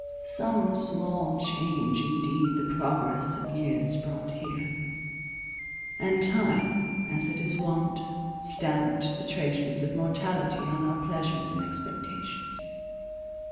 Some small change indeed the progress of years brought here; and time, as it is wont, stamped the traces of mortality on our pleasures and expectations.